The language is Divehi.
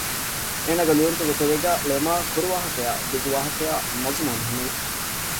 އޭނާގެ ލިޔުންތަކުގެ ތެރޭގައި ޅެމާއި ކުރުވާހަކައާއި ދިގު ވާހަކަޔާއި މަޒުމޫނު ހިމެނެ